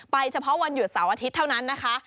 เฉพาะวันหยุดเสาร์อาทิตย์เท่านั้นนะคะ